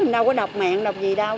đâu có đọc mạng đọc gì đâu